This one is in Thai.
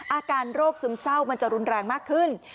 อาการโรคซึมเศร้ามันจะรุนแรงมากขึ้น